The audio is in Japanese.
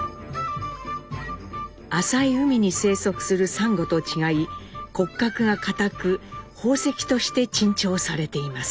浅い海に生息するサンゴと違い骨格が硬く宝石として珍重されています。